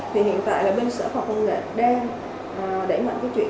thì hiện tại là bên sở phòng công nghệ đang đẩy mạnh cái chuyện